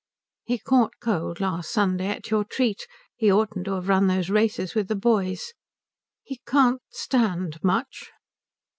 "He caught cold last Sunday at your treat. He oughtn't to have run those races with the boys. He can't stand much."